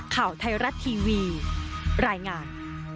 ข่าวไทยรัฐทีวีรายงาน